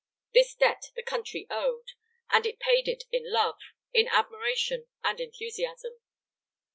This debt the country owed, and it paid it in love, in admiration, and enthusiasm.